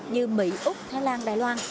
như mỹ úc thái lan đài loan